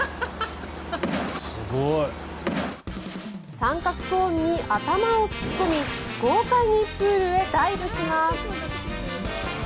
三角コーンに頭を突っ込み豪快にプールへダイブします。